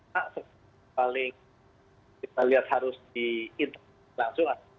ternyata tidak paling kita lihat harus diintimidasi langsung